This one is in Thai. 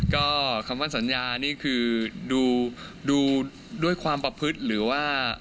ก็คำว่าสัญญานี่คือดูด้วยความประพฤติหรือว่า